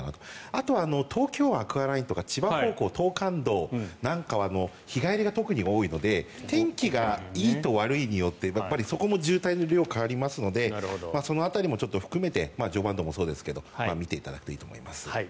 あとは東京湾アクアラインとか千葉方向の東関道なんかは日帰りが特に多いので天気がいいと悪いによってやっぱりそこも渋滞の量が変わりますのでその辺りも含めて常磐道もそうですけど見ていただくといいと思います。